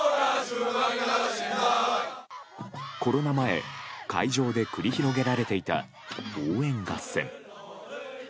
コロナ前、会場で繰り広げられていた応援合戦。